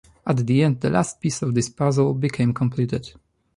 At the end the last piece of this puzzle became completed.